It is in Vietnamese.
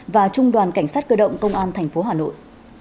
và trung đoàn cảnh sát cơ động công an tp hà nội